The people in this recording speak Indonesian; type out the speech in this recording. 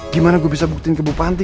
gimana gue bisa buktiin ke bu panti